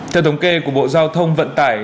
theo thống kê của bộ giao thông vận tải